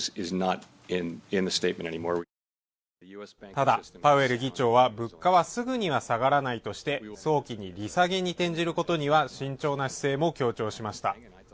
ただパウエル議長は物価はすぐには下がらないとして、早期に利下げに転じることには慎重な姿勢も強調しました。